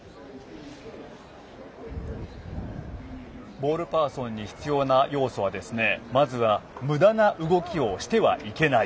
ボールパーソンに必要な要素はまずはむだな動きをしてはいけない。